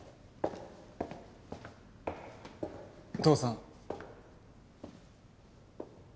父さん。